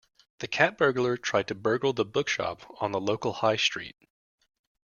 The cat burglar tried to burgle the bookshop on the local High Street